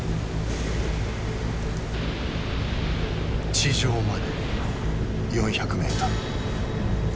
地上まで４００ｍ。